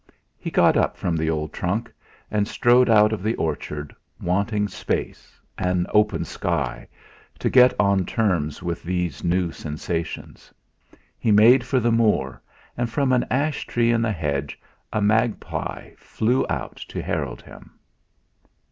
He got up from the old trunk and strode out of the orchard, wanting space, an open sky, to get on terms with these new sensations. He made for the moor, and from an ash tree in the hedge a magpie flew out to herald him.